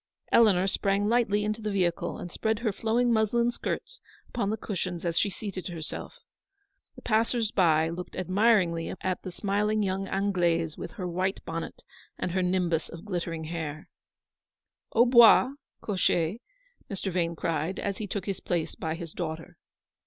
Eleanor sprang lightly into the vehicle, and spread her flowing muslin skirts upon the cushions as she seated herself. The passers by looked ad miringly at the smiling young Anglaise with her white bonnet and nimbus of glittering hair. 76 ELEANOR'S VICTORY. "Au Bois, cocher," Mr. Vane cried, as lie took his place by his daughter.